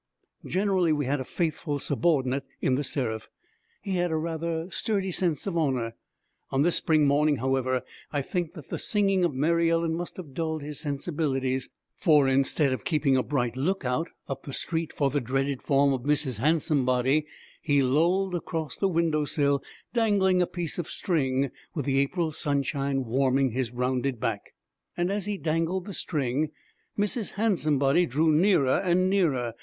Generally we had a faithful subordinate in The Seraph. He had a rather sturdy sense of honor. On this spring morning, however, I think that the singing of Mary Ellen must have dulled his sensibilities, for, instead of keeping a bright lookout up the street for the dreaded form of Mrs. Handsomebody, he lolled across the window sill, dangling a piece of string, with the April sunshine warming his rounded back. And as he dangled the string, Mrs. Handsomebody drew nearer and nearer.